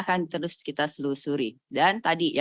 tapi bagaimana kalau unik izin